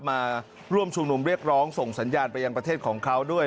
มาร่วมชุมนุมเรียกร้องส่งสัญญาณไปยังประเทศของเขาด้วย